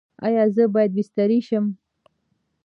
ایا زه باید بستري شم؟